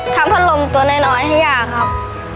พัดลมตัวน้อยให้ย่าครับ